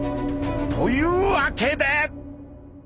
というわけで！